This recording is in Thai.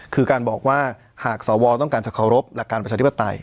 คือการบอกว่าหากสวต้องการจะเคารพหลักการประชาธิปไตย